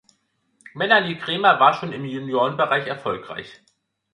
Melanie Cremer war schon im Juniorenbereich erfolgreich.